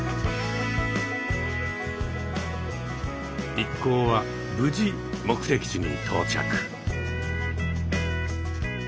一行は無事目的地に到着。